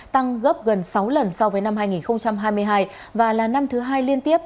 tăng gấp gần sáu lần so với năm hai nghìn hai mươi hai và là năm thứ hai liên tiếp